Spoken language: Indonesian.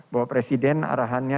bahwa presiden arahannya